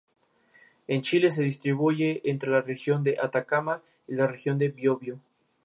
En Chile se distribuye entre la Región de Atacama y la Región del Biobio.